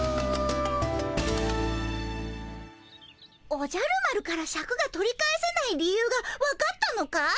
おじゃる丸からシャクが取り返せない理由がわかったのかい？